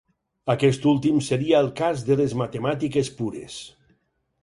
Aquest últim seria el cas de les matemàtiques pures.